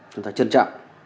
chúng ta trân trọng